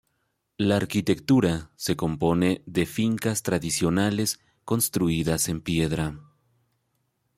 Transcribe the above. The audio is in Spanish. La arquitectura se compone de fincas tradicionales construidas en piedra.